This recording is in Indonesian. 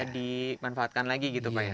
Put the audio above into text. dimanfaatkan lagi gitu pak ya